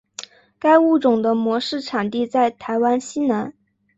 该物种的模式产地在台湾西南。